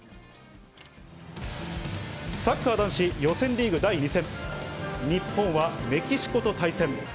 サッカー男子予選リーグ第２戦、日本はメキシコと対戦。